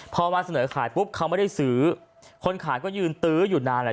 พอมาเสนอขายปุ๊บเขาไม่ได้ซื้อคนขายก็ยืนตื้ออยู่นานแหละ